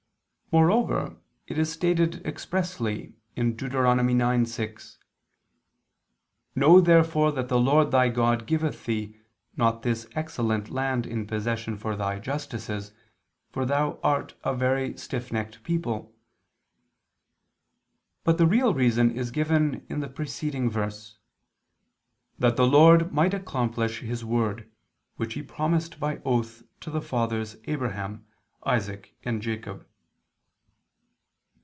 Moreover it is stated expressly (Deut. 9:6): "Know therefore that the Lord thy God giveth thee not this excellent land in possession for thy justices, for thou art a very stiff necked people": but the real reason is given in the preceding verse: "That the Lord might accomplish His word, which He promised by oath to thy fathers Abraham, Isaac, and Jacob."